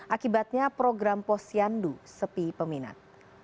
akibatnya program pos yandu sepi peminat